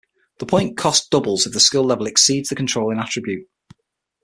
The point cost doubles if the Skill level exceeds the controlling Attribute.